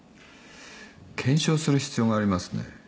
検証する必要がありますね。